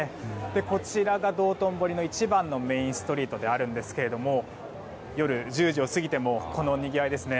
こちらが道頓堀の一番のメインストリートですが夜１０時を過ぎてもこのにぎわいです。